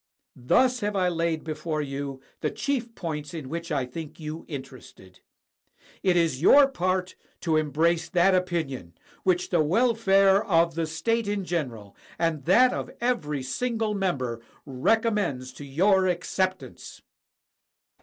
Thus have I laid before you the chief points in which I think you interested. It is your part to embrace that opinion which the welfare of the state in general, and that of every single member, recommends to your acceptance.